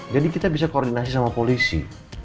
jadi kita bisa koordinasi sama polisi